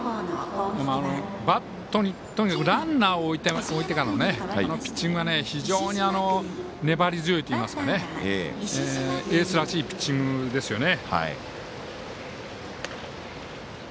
とにかくランナーを置いてからのピッチングが非常に粘り強いといいますかエースらしいピッチングですよね。